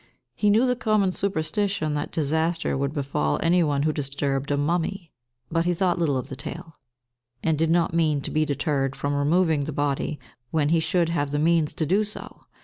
He knew the common superstition that disaster would befall any one who disturbed a mummy; but he thought little of the tale, and did not mean to be deterred from removing the body when he should have the means to do so.